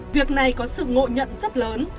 việc này có sự ngộ nhận rất lớn